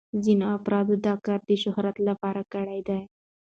ځینو افرادو دا کار د شهرت لپاره کړی دی.